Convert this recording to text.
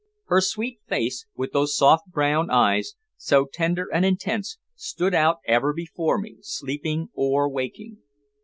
Her sweet face, with those soft, brown eyes, so tender and intense, stood out ever before me, sleeping or waking.